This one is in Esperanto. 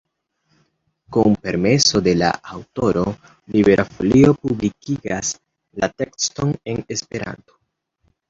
Kun permeso de la aŭtoro Libera Folio publikigas la tekston en Esperanto.